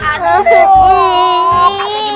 aduh mau kemana lagi nih